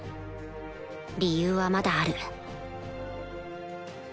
理由はまだある